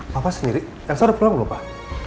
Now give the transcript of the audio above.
papa sendiri elsa udah pulang belum pak